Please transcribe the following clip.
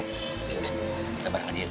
ya udah kita bareng lagi ya